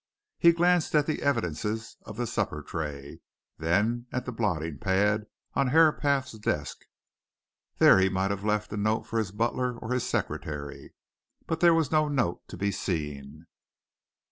He glanced at the evidences of the supper tray; then at the blotting pad on Herapath's desk; there he might have left a note for his butler or his secretary. But there was no note to be seen.